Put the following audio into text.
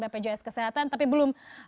bpjs kesehatan tapi belum